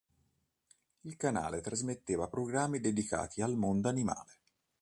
Il canale trasmetteva programmi dedicati al mondo animale.